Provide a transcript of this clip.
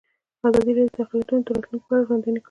ازادي راډیو د اقلیتونه د راتلونکې په اړه وړاندوینې کړې.